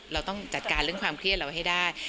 เราต้องจัดการเรื่องความเครียดเราให้ได้